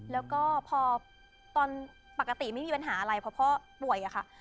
แล้วก็พอตอนปกติไม่มีปัญหาอะไรเพราะพ่อป่วยอะค่ะ